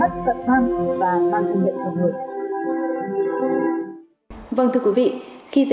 tiền mắt cận măng và bản thân mệnh của người